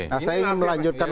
nah saya melanjutkan